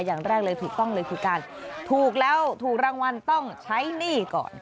อย่างแรกเลยถูกต้องเลยคือการถูกแล้วถูกรางวัลต้องใช้หนี้ก่อน